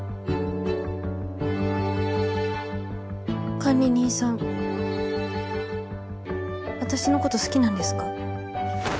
管理人さん私の事好きなんですか？